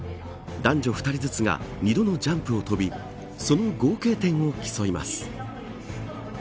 男女２人ずつが２度のジャンプを飛びその合計点を競います。